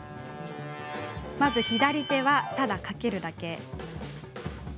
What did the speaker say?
左手は、ただかけるだけ。